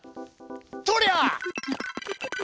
とりゃ！